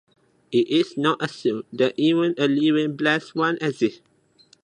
It is not assumed that even a living Blessed One exists.